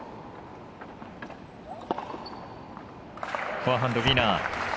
フォアハンド、ウィナー。